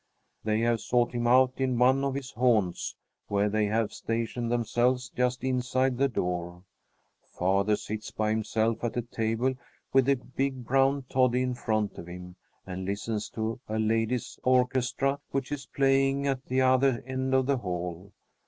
They have sought him out in one of his haunts, where they have stationed themselves just inside the door. Father sits by himself at a table with a big brown toddy in front of him, and listens to a ladies' orchestra which is playing at the other end of the hall.